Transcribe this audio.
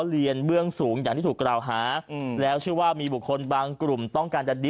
เบื้องสูงอย่างที่ถูกกล่าวหาแล้วชื่อว่ามีบุคคลบางกลุ่มต้องการจะดี